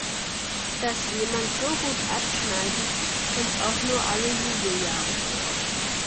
Dass jemand so gut abschneidet, kommt auch nur alle Jubeljahre vor.